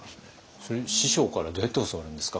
それ師匠からどうやって教わるんですか？